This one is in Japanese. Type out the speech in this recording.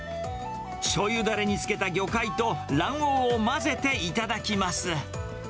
しょうゆだれに漬けた魚介と、卵黄を混ぜて頂きます。